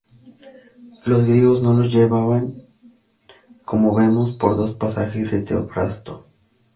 Los griegos no los llevaban, como vemos por dos pasajes de Teofrasto.